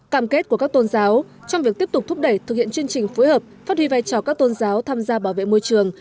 cảm kết của các tôn giáo trong việc tiếp tục thúc đẩy thực hiện chương trình phối hợp phát huy vai trò các tôn giáo tham gia bảo vệ môi trường